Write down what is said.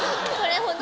ホントに。